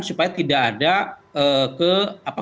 supaya tidak ada